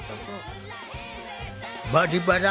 「バリバラ」